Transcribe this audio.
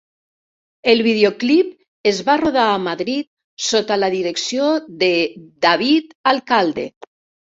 El videoclip es va rodar a Madrid sota la direcció de David Alcalde.